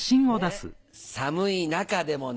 寒い中でもね